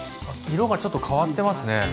色がちょっと変わってますね。